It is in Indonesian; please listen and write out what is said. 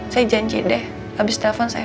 saya janji deh abis telepon saya makan